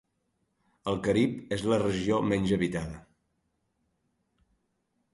El carib és la regió menys habitada.